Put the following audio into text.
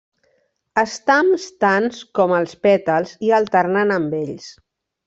Estams tants com els pètals i alternant amb ells.